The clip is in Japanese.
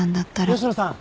吉野さん！